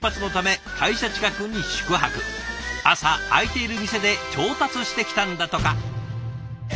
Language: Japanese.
朝開いている店で調達してきたんだとか。